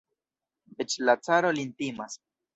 Eĉ la caro lin timas.